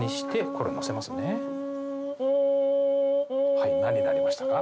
はい何になりましたか？